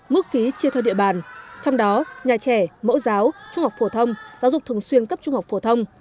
mức phí chia theo địa bàn trong đó nhà trẻ mẫu giáo trung học phổ thông giáo dục thường xuyên cấp trung học phổ thông